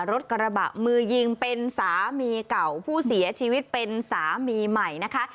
รถกระบะมือยิงเป็นสามีเก่าผู้เสียชีวิตเป็นสามีใหม่นะคะ